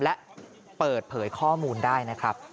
และเปิดเผยข้อมูลได้นะครับ